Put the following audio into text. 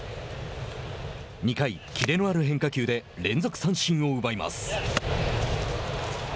２回、キレのある変化球で連続三振を奪います。